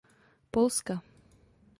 Polska.